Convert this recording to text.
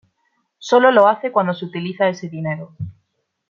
Solo lo hace cuando se utiliza ese dinero.